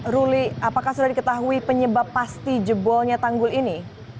ruli apakah sudah diketahui penyebab pasti jebolnya tanggul ini